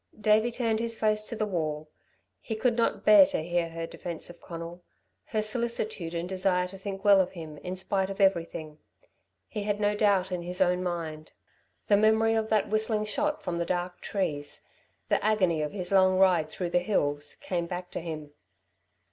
Davey turned his face to the wall. He could not bear to hear her defence of Conal her solicitude and desire to think well of him in spite of everything. He had no doubt in his own mind. The memory of that whistling shot from the dark trees, the agony of his long ride through the hills, came back to him.